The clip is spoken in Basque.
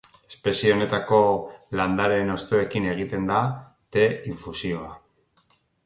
Espezie honetako landareen hostoekin egiten da te-infusioa.